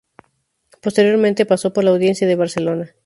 Posteriormente pasó por la Audiencia de Barcelona.